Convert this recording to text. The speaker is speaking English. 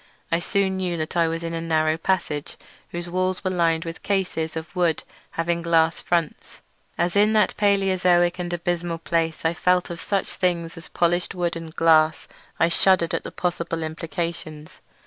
I soon knew that I was in a narrow passage whose walls were lined with cases of wood having glass fronts. As in that Palaeozoic and abysmal place I felt of such things as polished wood and glass I shuddered at the possible implications.